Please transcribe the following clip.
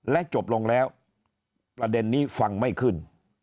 และจบลงแล้วประเด็นนี้ฟังไม่ขึ้น